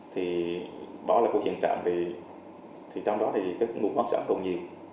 thì bỏ lại cuộc hiện trạng thì trong đó các nguồn quán sản còn nhiều